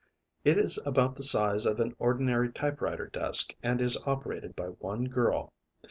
It is about the size of an ordinary typewriter desk and is operated by one girl.